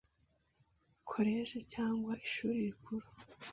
koleje cyangwa ishuri rikuru